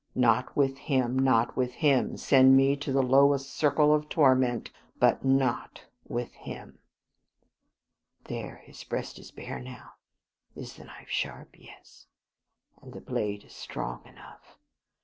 Not with him, not with him, send me to the lowest circle of torment, but not with him. There, his breast is bare now. Is the knife sharp? Yes; and the blade is strong enough.